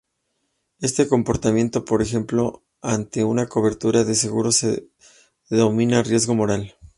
Este comportamiento, por ejemplo, ante una cobertura de seguros se denomina riesgo moral.